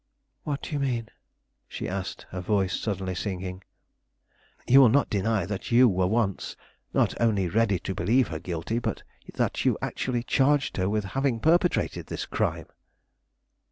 "What do you mean?" she asked, her voice suddenly sinking. "You will not deny that you were once, not only ready to believe her guilty, but that you actually charged her with having perpetrated this crime."